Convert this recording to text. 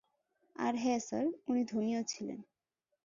আর হ্যাঁ স্যার, উনি ধনীও ছিলেন।